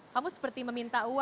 kamu seperti meminta uang